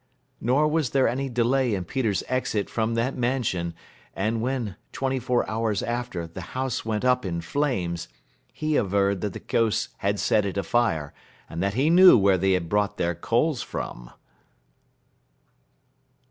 Nor was there any delay in Peter's exit from that mansion, and when, twenty four hours after, the house went up in flames, he averred that the ghosts had set it afire, and that he knew where they brought their coals from.